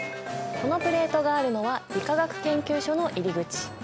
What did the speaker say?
このプレートがあるのは理化学研究所の入り口。